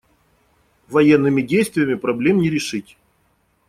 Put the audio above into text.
Военными действиями проблем не решить.